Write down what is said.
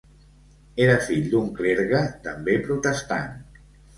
Era fill d'un clergue també protestant.